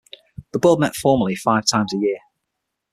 The Board met formally five times a year.